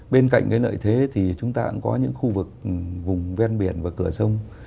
bên cạnh cái lợi thế thì chúng ta cũng có những khu vực vùng ven biển và cửa sông